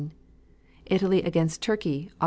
Italy against Turkey, Aug.